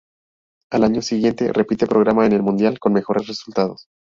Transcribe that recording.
Al año siguiente repite programa en el mundial con mejores resultados.